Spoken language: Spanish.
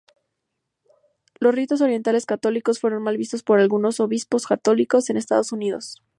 Los ritos orientales católicos fueron mal vistos por algunos obispos católicos en Estados Unidos.